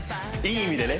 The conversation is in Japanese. いい意味でね